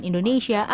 pertama di jawa